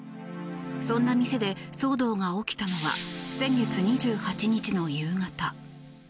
そんな店で騒動が起きたのは先月２８日の夕方。